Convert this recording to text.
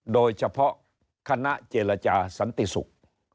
โดยเฉพาะคณะเจรจาสันติศุกร์